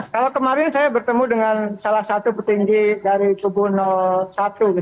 kalau kemarin saya bertemu dengan salah satu petinggi dari tubuh satu